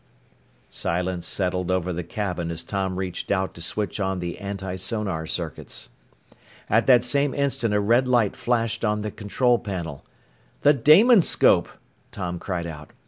Silence settled over the cabin as Tom reached out to switch on the antisonar circuits. At that same instant a red light flashed on the control panel. "The Damonscope!" Tom cried out.